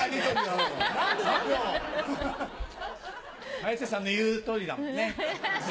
綾瀬さんの言う通りだもんね。